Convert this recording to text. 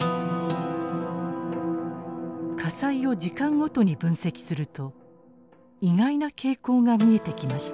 火災を時間ごとに分析すると意外な傾向が見えてきました。